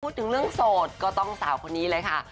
พูดถึงเรื่องโสดก็ต้องสาวคนนี้เลยค่ะ